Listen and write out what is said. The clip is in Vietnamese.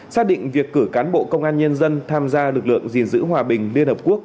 xác định việc cử cán bộ công an nhân dân tham gia lực lượng gìn giữ hòa bình liên hợp quốc